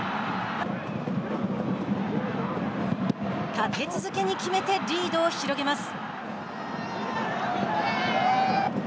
立て続けに決めてリードを広げます。